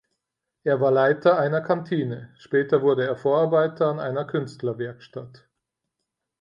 Er war Leiter einer Kantine, später wurde er Vorarbeiter an einer Künstlerwerkstatt.